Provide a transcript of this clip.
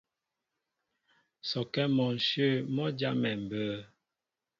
Sɔkɛ mɔnshyə̂ mɔ́ jámɛ mbə̌.